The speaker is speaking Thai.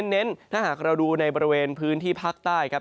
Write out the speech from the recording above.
เน้นถ้าหากเราดูในบริเวณพื้นที่ภาคใต้ครับ